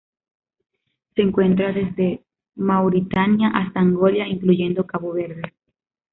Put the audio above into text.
Se encuentra desde Mauritania hasta Angola, incluyendo Cabo Verde.